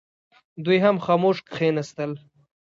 دوی هم خاموش کښېنستل.